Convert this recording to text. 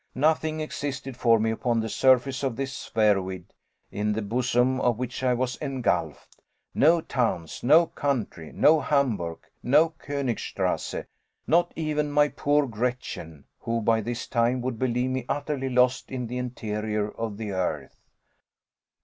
Nothing existed for me upon the surface of this spheroid in the bosom of which I was engulfed, no towns, no country, no Hamburg, no Koenigstrasse, not even my poor Gretchen, who by this time would believe me utterly lost in the interior of the earth!